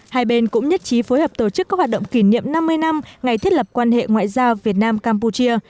hai bên cũng nhất trí phối hợp tổ chức các hoạt động kỷ niệm năm mươi năm ngày thiết lập quan hệ ngoại giao việt nam campuchia